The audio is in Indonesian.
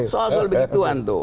soal soal begituan tuh